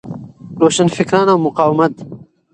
روشنفکران او مقاومت